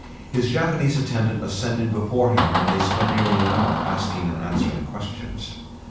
His Japanese attendant ascended before him and they spent nearly an hour asking and answering questions.